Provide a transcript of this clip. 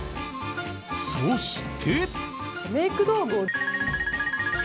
そして。